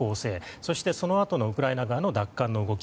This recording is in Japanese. そしてそのあとのウクライナ側の奪還の動き。